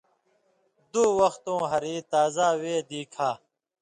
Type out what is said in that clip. دُو وختؤں ہریۡ تازا وے دی کھا۔